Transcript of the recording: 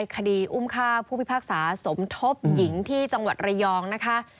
คดีอุ้มฆ่าผู้พิพากษาสมทบหญิงที่จังหวัดระยองนะคะ